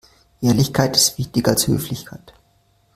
Ehrlichkeit ist wichtiger als Höflichkeit.